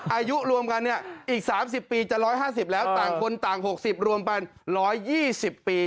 อายุรวมกันเนี่ยอีก๓๐ปีจะ๑๕๐แล้วต่างคนต่าง๖๐รวมเป็น๑๒๐ปี